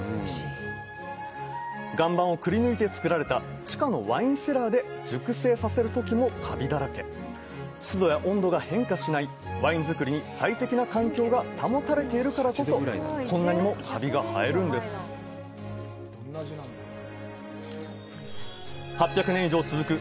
岩盤をくりぬいて作られた地下のワインセラーで熟成させる時もカビだらけ湿度や温度が変化しないワイン造りに最適な環境が保たれているからこそこんなにもカビが生えるんです８００年以上続く